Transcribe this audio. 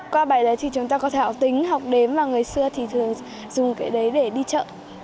qua bài đấy thì chúng ta có thể ảo tính học đếm và ngày xưa thì thường dùng cái đấy để đi chợ